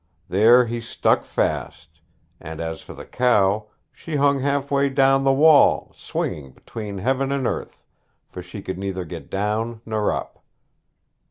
There he stuck fast; and as for the cow, she hung half way down the wall, swinging between heaven and earth, for she could neither get down nor up.